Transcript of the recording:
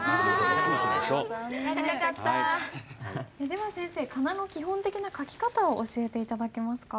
では先生仮名の基本的な書き方を教えて頂けますか？